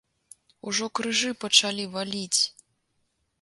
Ужо крыжы пачалі валіць!